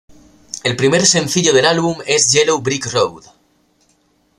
El primer sencillo del álbum es Yellow Brick Road.